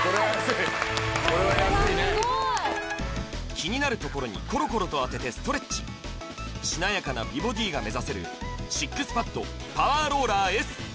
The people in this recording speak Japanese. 気になるところにコロコロと当ててストレッチしなやかな美ボディーが目指せるＳＩＸＰＡＤパワーローラーＳ